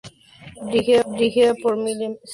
Dirigida por Millicent Shelton.